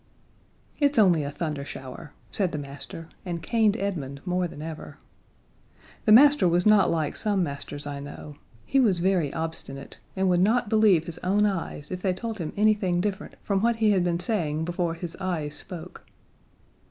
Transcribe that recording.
"It's only a thunder shower," said the master, and caned Edmund more than ever. This master was not like some masters I know: He was very obstinate, and would not believe his own eyes if they told him anything different from what he had been saying before his eyes spoke.